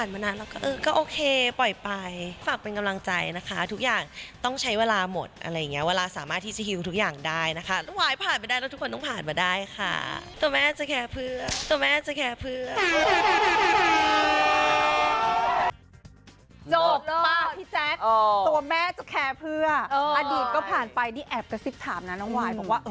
มากพี่แจ๊คตัวแม่จะแคร์เพื่ออดีตก็ผ่านไปนี่แอบกระซิบถามนะน้องวายบอกว่า